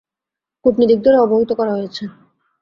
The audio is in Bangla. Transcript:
কূটনীতিকদের অবহিত করা হয়েছে।